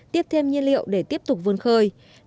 tiếp thêm nhiên liệu để tiếp tục phát triển đánh bắt hải sản